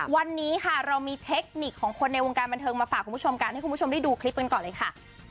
วันนี้ค่ะเรามีเทคนิคของคนในวงการบันเทิงมาฝากคุณผู้ชมกันให้คุณผู้ชมได้ดูคลิปกันก่อนเลยค่ะ